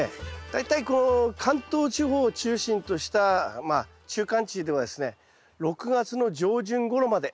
大体この関東地方を中心としたまあ中間地ではですね６月の上旬ごろまで。